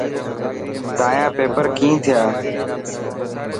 تايان پيپر ڪين ٿيا؟